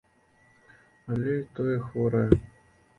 Але і тое хворае.